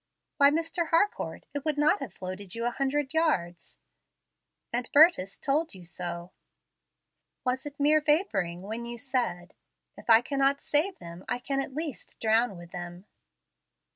Why, Mr. Harcourt, it would not have floated you a hundred yards, and Burtis told you so. Was it mere vaporing when you said, 'If I cannot save them, I can at least drown with them'?"